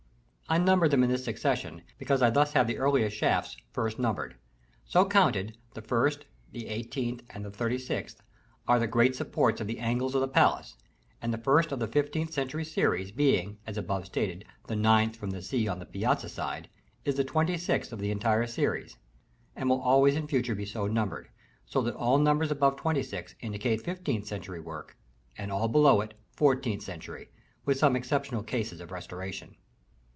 I number them in this succession, because I thus have the earliest shafts first numbered. So counted, the 1st, the 18th, and the 36th, are the great supports of the angles of the palace; and the first of the fifteenth century series, being, as above stated, the 9th from the sea on the Piazzetta side, is the 26th of the entire series, and will always in future be so numbered, so that all numbers above twenty six indicate fifteenth century work, and all below it, fourteenth century, with some exceptional cases of restoration.